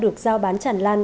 một loại hai trăm linh trang